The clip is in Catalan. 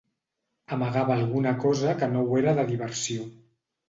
Amagava alguna cosa que no ho era de diversió